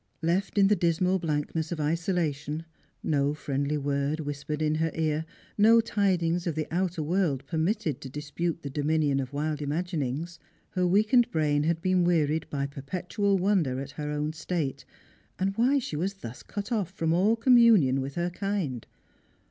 Left in the dismal blankness of isola tion — no friendly word whispered in her ear, no tidings of the outer world permitted to dispute the dominion of wild imagin ings — her weakened brain had been wearied by perpetual wonder at her own state, and why she was thus cut off from all com munion with her kind.